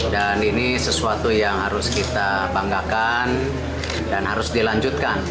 dan ini sesuatu yang harus kita banggakan dan harus dilanjutkan